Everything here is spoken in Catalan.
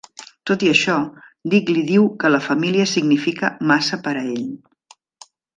Tot i això, Dick li diu que la família significa massa per a ell.